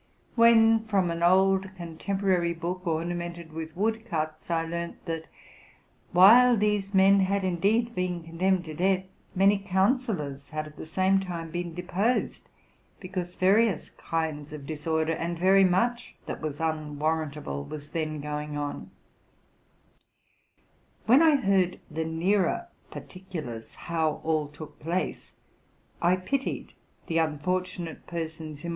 When from an old contemporary book, ornamented with wood cuts, I learned, that, while these men had indeed been condemned to death, many councillors had at the same time been deposed, because various kinds of disorder and very much that was unwarrant able was then going on; when I heard the nearer particulars how all took place,—TI pitied the unfortunate persons whe RELATING TO MY LIFE.